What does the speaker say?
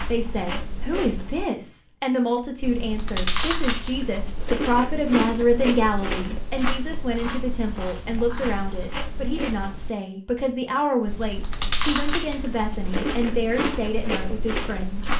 They said: "Who is this?" And the multitude answered: "This is Jesus, the prophet of Nazareth in Galilee!" And Jesus went into the Temple, and looked around it; but he did not stay, because the hour was late. He went again to Bethany, and there stayed at night with his friends.